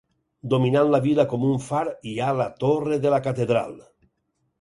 Dominant la vila com un far hi ha la torre de la catedral.